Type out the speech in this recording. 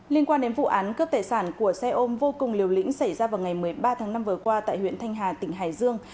liên quan đến vụ án cướp tài sản của xe ôm vô cùng liều lĩnh xảy ra vào ngày một mươi ba tháng năm vừa qua tại huyện thanh hà tỉnh hải dương